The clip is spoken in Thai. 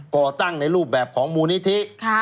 ก่อตั้งในรูปแบบของมูลนิธิ